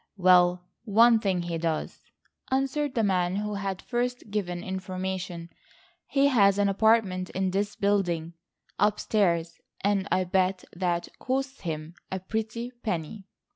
"Well, one thing he does," answered the man who had first given information, "he has an apartment in this building, up stairs, and I bet that costs him a pretty penny."